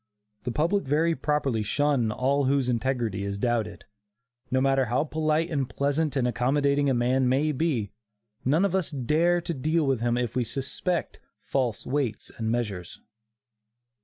The public very properly shun all whose integrity is doubted. No matter how polite and pleasant and accommodating a man may be, none of us dare to deal with him if we suspect "false weights and measures."